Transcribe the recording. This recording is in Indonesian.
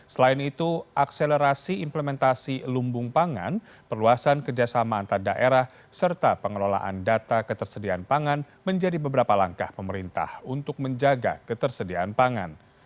selain itu akselerasi implementasi lumbung pangan perluasan kerjasama antar daerah serta pengelolaan data ketersediaan pangan menjadi beberapa langkah pemerintah untuk menjaga ketersediaan pangan